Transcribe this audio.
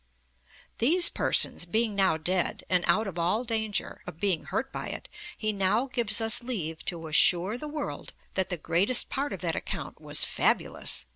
These persons being now dead, and out of all danger of being hurt by it, he now gives us leave to assure the world that the greatest part of that account was fabulous